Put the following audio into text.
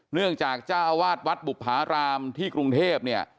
เนื่องจากเจ้าวาดวัดบุภารามที่กรุงเทพ